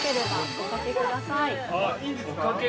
◆おかけください？